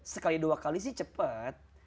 sekali dua kali sih cepat